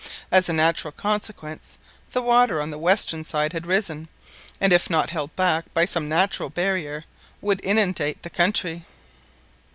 As a natural consequence, the water on the western side had risen, and if not held back by some natural barrier, would inundate the country.